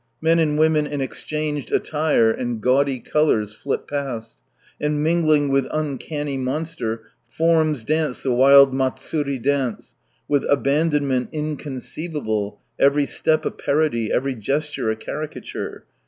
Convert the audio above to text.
Men and women in exchanged atlire and gaudy colours flit past, and mingling with uncanny monster forms dance the wild Matsuri dance, with abandonment in conceivable, every step a parody, every gesture a caricature.